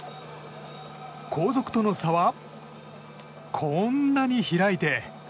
後続との差はこんなに開いて。